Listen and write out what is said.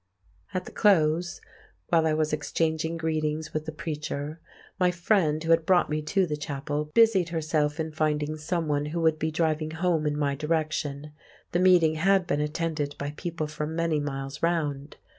At the close, while I was exchanging greetings with the preacher, my friend who had brought me to the chapel busied herself in finding someone who would be driving home in my direction—the meeting had been attended by people from many miles round.